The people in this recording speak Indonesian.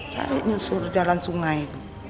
cari nyusur jalan sungai